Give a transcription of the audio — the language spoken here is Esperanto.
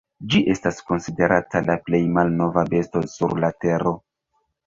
Ĝi estas konsiderata la plej malnova besto sur la Tero.